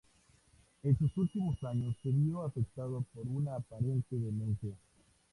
En sus últimos años se vio afectado por una aparente demencia.